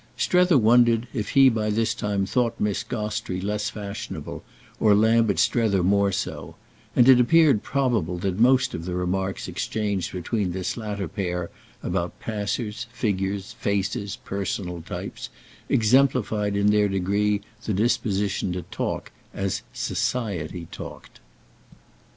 Strether wondered if he by this time thought Miss Gostrey less fashionable or Lambert Strether more so; and it appeared probable that most of the remarks exchanged between this latter pair about passers, figures, faces, personal types, exemplified in their degree the disposition to talk as "society" talked.